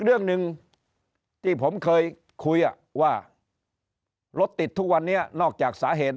เรื่องหนึ่งที่ผมเคยคุยว่ารถติดทุกวันนี้นอกจากสาเหตุ